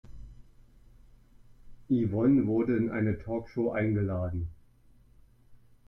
Yvonne wurde in eine Talkshow eingeladen.